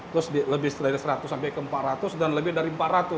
terus lebih dari seratus sampai ke empat ratus dan lebih dari empat ratus